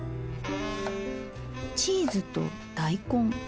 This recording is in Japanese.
チーズと大根。